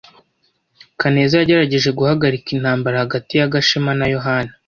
Kaneza yagerageje guhagarika intambara hagati ya Gashema na Yohana.